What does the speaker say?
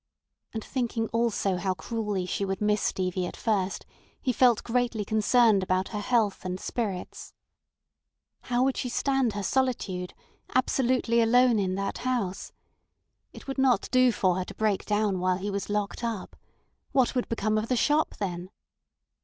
And thinking also how cruelly she would miss Stevie at first, he felt greatly concerned about her health and spirits. How would she stand her solitude—absolutely alone in that house? It would not do for her to break down while he was locked up? What would become of the shop then?